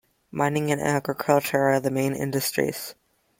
Mining and agriculture are the main industries.